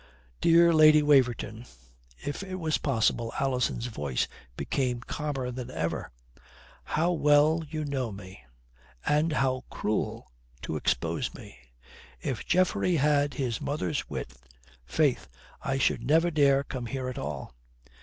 "Dear Lady Waverton," if it was possible, Alison's voice became calmer than ever "how well you know me. And how cruel to expose me. If Geoffrey had his mother's wit, faith, I should never dare come here at all."